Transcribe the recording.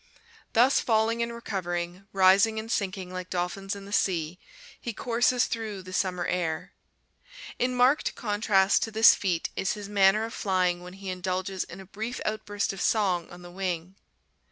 Thus, falling and recovering, rising and sinking like dolphins in the sea, he courses through the summer air. In marked contrast to this feat is his manner of flying when he indulges in a brief outburst of song on the wing.